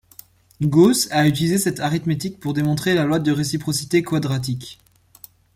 Gauss a utilisé cette arithmétique pour démontrer la loi de réciprocité quadratique.